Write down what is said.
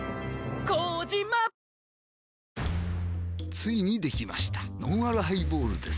ついにできましたのんあるハイボールです